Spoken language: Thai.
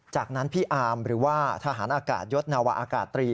จากนั้นพี่อาร์มหรือว่าทหารอากาศยศนาวะอากาศตรี